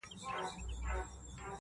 ته هم چایې په توده غېږ کي نیولی؟!.!